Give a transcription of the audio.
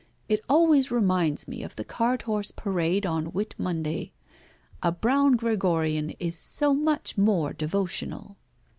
It always reminds me of the cart horse parade on Whit Monday. A brown Gregorian is so much more devotional."